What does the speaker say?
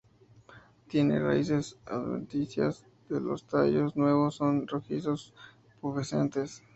Tiene raíces adventicias; los tallos nuevos son rojizos, pubescentes.